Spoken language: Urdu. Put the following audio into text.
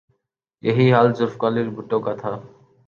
یہی حال ذوالفقار علی بھٹو کا تھا۔